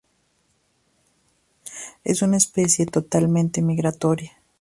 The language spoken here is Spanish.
Es una especie totalmente migratoria.